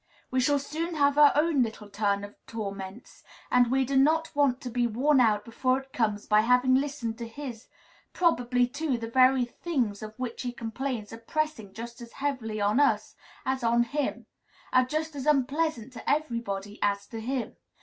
We shall soon have our own little turn of torments, and we do not want to be worn out before it comes by having listened to his; probably, too, the very things of which he complains are pressing just as heavily on us as on him, are just as unpleasant to everybody as to him.